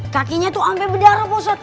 kakinya tuh ampe berdarah pak ustadz